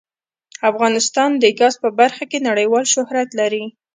افغانستان د ګاز په برخه کې نړیوال شهرت لري.